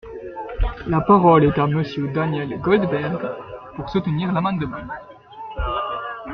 La parole est à Monsieur Daniel Goldberg, pour soutenir l’amendement.